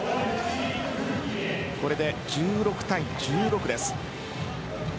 これで１６対１６です。